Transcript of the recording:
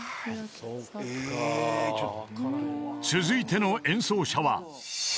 ［続いての演奏者は］